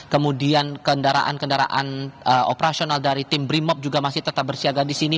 kemudian kendaraan kendaraan operasional dari tim brimop juga masih tetap bersiaga di sini